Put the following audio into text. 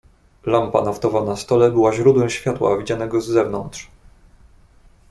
"Lampa naftowa na stole była źródłem światła, widzianego z zewnątrz."